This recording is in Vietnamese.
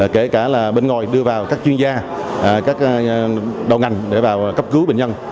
kể cả bên ngoài đưa vào các chuyên gia các đầu ngành để vào cấp cứu